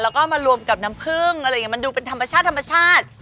แล้วก็มารวมกับน้ำผึ้งอะไรอย่างเงี้ยมันดูเป็นธรรมชาติ